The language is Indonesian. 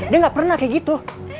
dia gak pernah kayak gitu